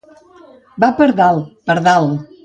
Va per dalt, pardal.